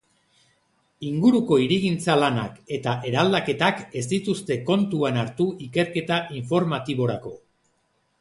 Inguruko hirigintza lanak eta eraldaketak ez dituzte kontuan hartu ikerketa informatiborako.